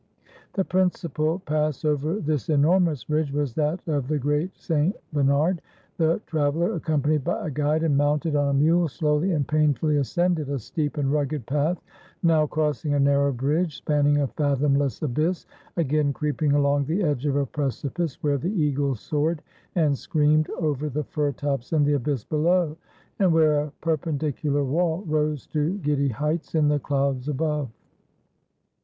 The principal pass over this enormous ridge was that of the Great St. Bernard. The traveler, accompanied by a guide, and mounted on a mule, slowly and painfully ascended a steep and rugged path, now crossing a narrow bridge, spanning a fathom less abyss, again creeping along the edge of a precipice, where the eagle soared and screamed over the fir tops in the abyss below, and where a perpendicular wall rose to giddy heights in the clouds above.